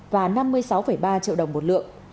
và năm mươi sáu ba triệu đồng một lượng